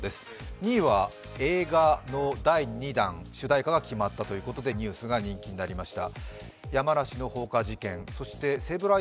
２位は映画の第２弾主題歌が決まったということでニュースが人気になりました。